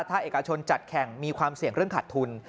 ถ้าเอกชนจัดแข่งมีความเสี่ยงเรื่องขาดทุน